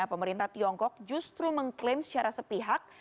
pemerintah tiongkok justru mengklaim secara sepihak